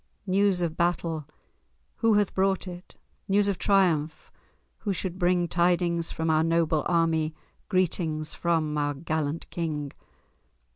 News of battle! Who hath brought it? News of triumph! Who should bring Tidings from our noble army, Greetings from our gallant King?